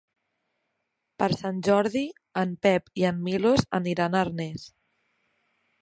Per Sant Jordi en Pep i en Milos aniran a Arnes.